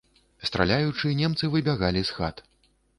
Страляючы, немцы выбягалі з хат.